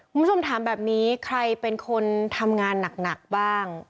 คุณผู้ชมถามแบบนี้ใครเป็นคนทำงานหนักบ้าง